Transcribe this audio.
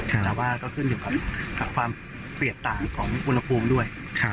แต่ว่าก็ขึ้นอยู่กับความเปรียบต่างของอุณหภูมิด้วย